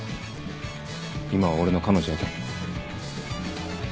今は俺の彼女やけん。